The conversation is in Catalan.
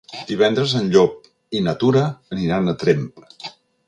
Divendres en Llop i na Tura aniran a Tremp.